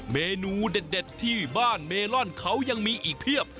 เมนูเด็ดที่บ้านเมลอนเขายังมีอีกเพียบ